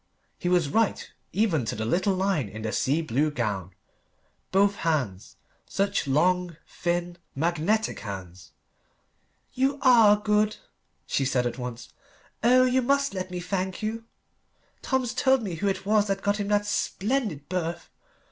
He was right, even to the little line in the sea blue gown. Both hands; such long, thin, magnetic hands. "You are good," she said at once. "Oh you must let me thank you. Tom's told me who it was that got him that splendid berth.